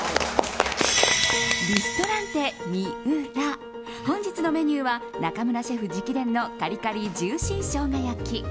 リストランテＭＩＵＲＡ本日のメニューは中村シェフ直伝のカリカリ＆ジューシーしょうが焼き。